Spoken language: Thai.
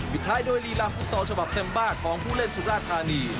วิท้ายด้วยรีลาฟุซอลฉบับเซ็มบ้าของผู้เล่นสุราคทานี